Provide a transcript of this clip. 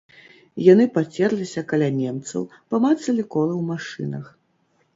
Яны пацерліся каля немцаў, памацалі колы ў машынах.